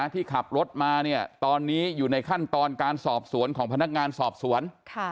ที่ขับรถมาเนี่ยตอนนี้อยู่ในขั้นตอนการสอบสวนของพนักงานสอบสวน